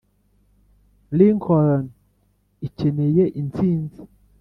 lincoln ikeneye intsinzi